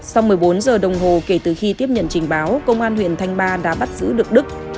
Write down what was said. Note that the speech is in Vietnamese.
sau một mươi bốn giờ đồng hồ kể từ khi tiếp nhận trình báo công an huyện thanh ba đã bắt giữ được đức